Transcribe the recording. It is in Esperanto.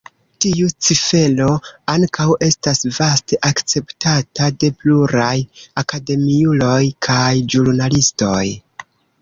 Tiu cifero ankaŭ estas vaste akceptata de pluraj akademiuloj kaj ĵurnalistoj.